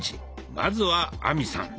まずは亜美さん。